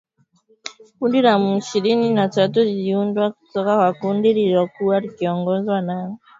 Kundi la M ishirini na tatu liliundwa kutoka kwa kundi lililokuwa likiongozwa na